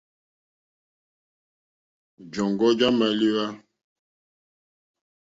Jɔ̀ŋɡɔ́ já !málíwá.